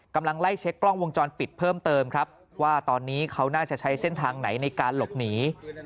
กำลังไล่เช็คกล้องวงจรปิดเพิ่มเติมครับว่าตอนนี้เขาน่าจะใช้เส้นทางไหนในการหลบหนี